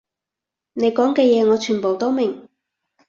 你講嘅嘢我全部都明